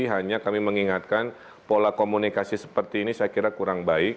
hanya kami mengingatkan pola komunikasi seperti ini saya kira kurang baik